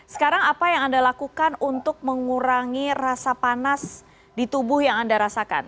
sekarang apa yang anda lakukan untuk mengurangi rasa panas di tubuh yang anda rasakan